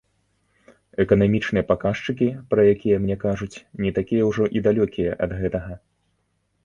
Эканамічныя паказчыкі, пра якія мне кажуць, не такія ўжо і далёкія ад гэтага.